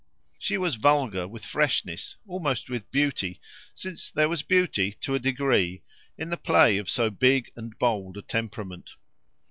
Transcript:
She was vulgar with freshness, almost with beauty, since there was beauty, to a degree, in the play of so big and bold a temperament.